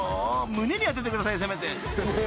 ［胸に当ててくださいせめて］